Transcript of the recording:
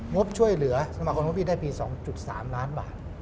งบช่วยเหลือสมาคมกีฬาได้๒๓ล้านบาท